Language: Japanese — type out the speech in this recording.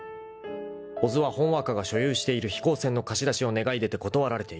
［小津はほんわかが所有している飛行船の貸し出しを願い出て断られている］